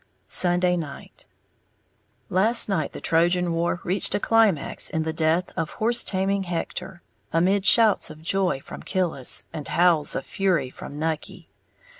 Sunday Night. Last night the Trojan War reached a climax in the death of Horse Taming Hector, amid shouts of joy from Killis, and howls of fury from Nucky.